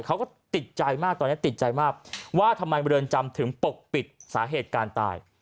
เขาก็ติดใจมากตอนนี้ติดใจมากว่าทำไมเรือนจำถึงปกปิดสาเหตุการณ์ตาย